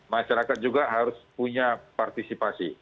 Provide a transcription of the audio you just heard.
masyarakat juga harus punya partisipasi